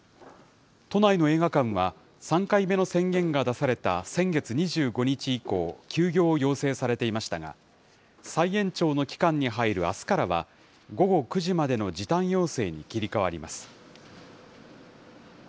都内の映画館は、３回目の宣言が出された先月２５日以降、休業を要請されていましたが、再延長の期間に入るあすからは、午後９時までの時短要請に切り替わります。